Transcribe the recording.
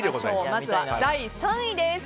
まずは第３位です。